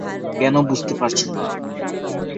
কেন বুঝতে পারছো না?